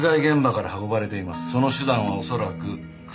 その手段は恐らく車。